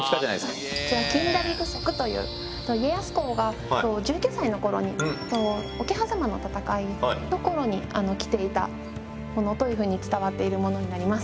家康公が１９歳の頃に桶狭間の戦いの頃に着ていたものというふうに伝わっているものになります。